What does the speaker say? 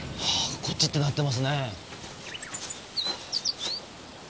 こっちってなってますね。